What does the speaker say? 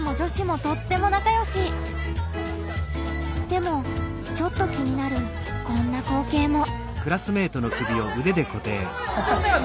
でもちょっと気になるこんな光けいも。